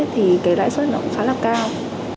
thì cái lãi suất nó cũng khá là cao